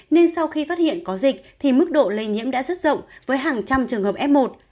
nên sau khi phát hiện có dịch thì mức độ lây nhiễm đã rất rộng với hàng trăm trường hợp f một